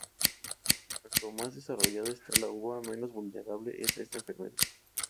Cuanto más desarrollada está la uva menos vulnerable es a esta enfermedad.